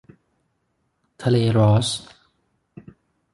ทะเลรอสส์